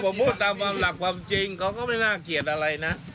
ผมพูดตามความหลักความจริงเขาก็ไม่น่าเกลียดอะไรนะ